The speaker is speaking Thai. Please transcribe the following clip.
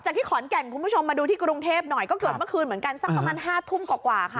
ที่ขอนแก่นคุณผู้ชมมาดูที่กรุงเทพหน่อยก็เกิดเมื่อคืนเหมือนกันสักประมาณห้าทุ่มกว่าค่ะ